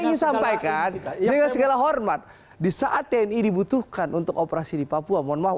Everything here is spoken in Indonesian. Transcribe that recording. ingin sampaikan dengan segala hormat disaat ini dibutuhkan untuk operasi di papua monmah